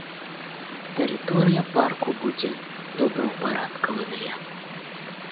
Тэрыторыя парку будзе добраўпарадкаваная.